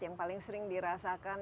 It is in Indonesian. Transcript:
yang paling sering dirasakan